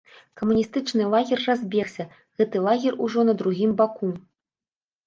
Камуністычны лагер разбегся, гэты лагер ужо на другім баку.